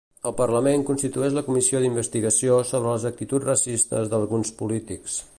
El Parlament constitueix la comissió d'investigació sobre les actituds racistes d'alguns polítics.